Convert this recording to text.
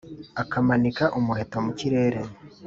akamanika umuheto mu kirere